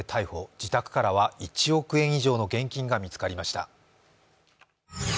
自宅からは１億円以上の現金が見つかりました。